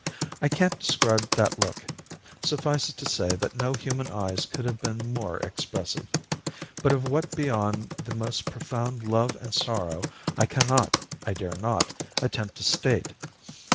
I can't describe that look; suffice it to say that no human eyes could have been more expressive, but of what beyond the most profound love and sorrow I cannot, I dare not, attempt to state.